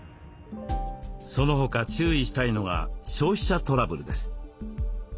その他注意したいのが消費者トラブルです。